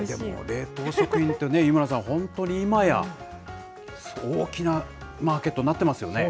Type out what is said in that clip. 冷凍食品ってね、井村さん、本当に今や、大きなマーケットになってますよね。